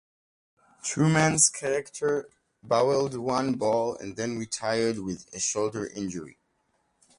Trueman's character bowled one ball and then retired with a shoulder injury.